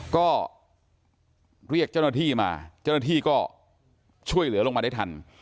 ก็เรียกเจ้าหน้าที่มาเจ้าหน้าที่ก็ช่วยเหลือลงมาได้ทัน